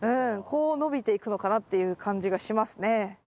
こう伸びていくのかなっていう感じがしますね。